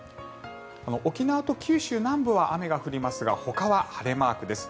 沖縄と九州南部は雨が降りますがほかは晴れマークです。